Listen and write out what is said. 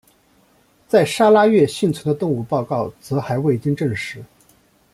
在砂拉越幸存的动物报告则还未经证实。